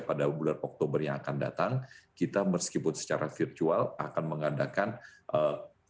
pada bulan oktober yang akan datang kita meskipun secara virtual akan mengadakan